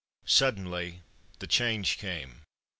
Suddenly the change came.